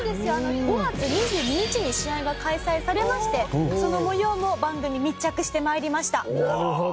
５月２２日に試合が開催されましてその模様も番組密着して参りました。